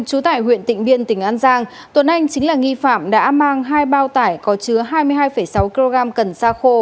chú tải huyện tỉnh biên tỉnh an giang tuấn anh chính là nghi phạm đã mang hai bao tải có chứa hai mươi hai sáu kg cần ra khô